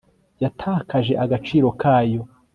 yatakaje agaciro kayo